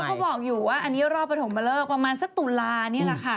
เขาบอกอยู่ว่าอันนี้รอบปฐมเลิกประมาณสักตุลานี่แหละค่ะ